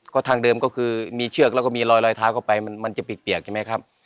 ก็ทางเดิมก็คือมีเชือกแล้วก็มีรอยเท้าเข้าไปมันจะเปียกใช่ไหมครับ